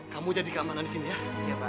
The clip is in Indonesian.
kamu jadi keamanan disini ya